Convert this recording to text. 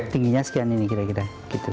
tingginya sekian ini kira kira